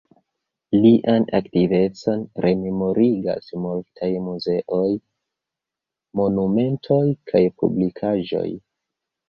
Lian aktivecon rememorigas multaj muzeoj, monumentoj kaj publikaĵoj.